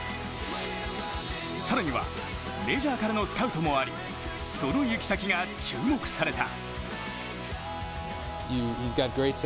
更には、メジャーからのスカウトもありその行き先が注目された。